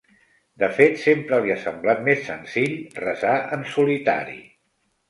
De fet, sempre li ha semblat més senzill resar en solitari.